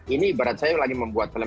ini ibarat saya lagi membuat film